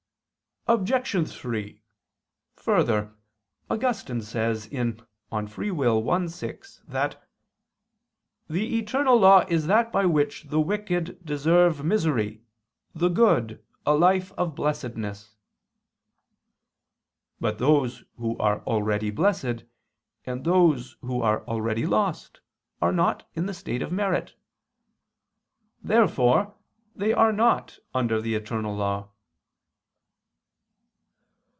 Obj. 3: Further, Augustine says (De Lib. Arb. i, 6) that "the eternal law is that by which the wicked deserve misery, the good, a life of blessedness." But those who are already blessed, and those who are already lost, are not in the state of merit. Therefore they are not under the eternal law.